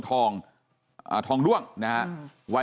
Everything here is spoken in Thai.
ทองด้วงนะครับ